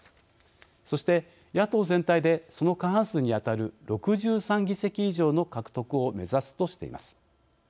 そして、野党全体でその過半数に当たる６３議席以上の獲得を目指すとしています。